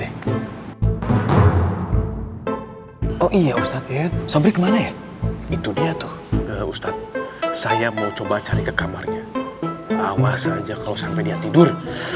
oh iya ustadz ya sampai kemana ya itu dia tuh ustadz saya mau coba cari ke kamarnya sama saja kalau sampai dia tidur